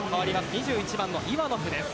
２１番のイワノフです。